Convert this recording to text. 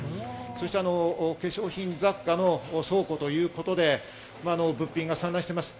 そして化粧品雑貨の倉庫ということで、物品が散乱してます。